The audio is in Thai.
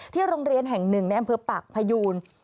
โรงเรียนแห่งหนึ่งในอำเภอปากพยูน